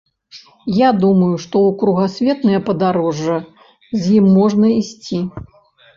Я думаю, што ў кругасветнае падарожжа з ім можна ісці.